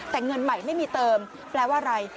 แต่เงินใหม่ไม่มีเติมแปลว่าอะไร